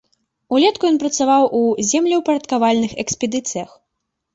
Улетку ён працаваў у землеўпарадкавальных экспедыцыях.